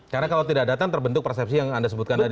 karena kalau tidak datang terbentuk persepsi yang anda sebutkan tadi